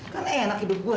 kan eh anak hidup gua